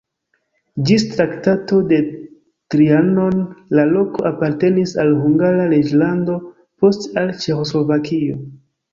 Ĝis Traktato de Trianon la loko apartenis al Hungara reĝlando, poste al Ĉeĥoslovakio.